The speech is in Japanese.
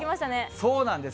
そうなんです。